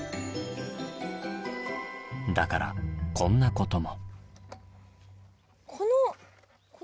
だからこんなことも。